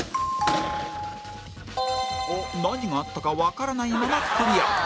何があったかわからないままクリア